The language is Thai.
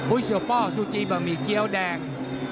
อุ๊ยเสียวป้อซูจิบะหมี่เกี้ยวแดง